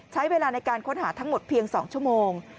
ใช้เวลาในการค้นหาทั้งหมดเพียง๒ชั่วโมง